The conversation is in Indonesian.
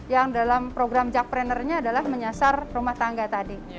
yang dalam program jak planner nya adalah menyasar rumah tangga tadi